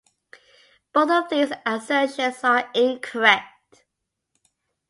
Both of these assertions are incorrect.